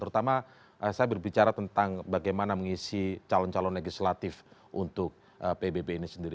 terutama saya berbicara tentang bagaimana mengisi calon calon legislatif untuk pbb ini sendiri